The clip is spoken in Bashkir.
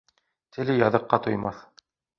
Теле яҙыҡҡа туймаҫ